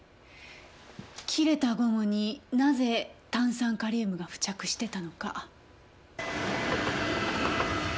切れたゴムになぜ炭酸カリウムが付着してたのか。